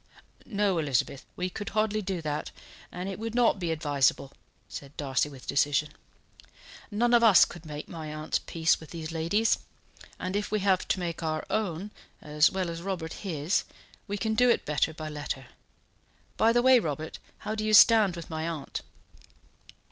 "No, Elizabeth, we could hardly do that, and it would not be advisable," said Darcy, with decision. "None of us could make my aunt's peace with these ladies; and if we have to make our own, as well as Robert his, we can do it better by letter. By the way, Robert, how do you stand with my aunt?"